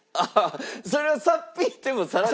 それをさっ引いてもさらに。